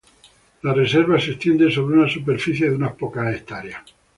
La reserva se extiende sobre una superficie de unas ha.